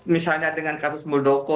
misalnya dengan kasus muldoko